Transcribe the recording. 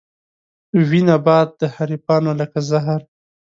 وي نبات د حريفانو لکه زهر